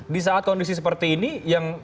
di saat kondisi seperti ini yang